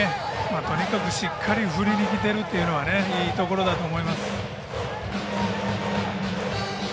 とにかく、しっかり振りにきているというのはいいところだと思います。